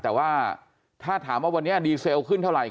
แต่ว่าถ้าถามว่าวันนี้ดีเซลขึ้นเท่าไหร